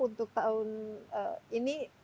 untuk tahun ini